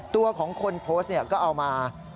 ตัวของคนโพสต์ก็เอามา